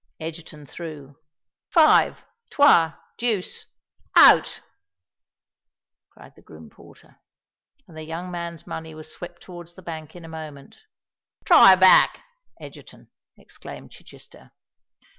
Egerton threw. "Five—trois, deuce—out!" cried the groom porter. And the young man's money was swept towards the bank in a moment. "Try a back, Egerton," exclaimed Chichester.